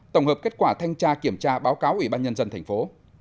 tổng hợp kết quả thanh tra kiểm tra báo cáo ủy ban nhân dân thành phố